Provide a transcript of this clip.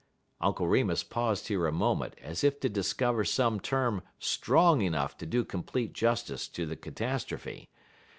Uncle Remus paused here a moment, as if to discover some term strong enough to do complete justice to the catastrophe.